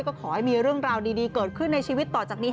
ก็ขอให้มีเรื่องราวดีเกิดขึ้นในชีวิตต่อจากนี้